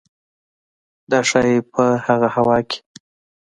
دا ښايي په هغه هوا کې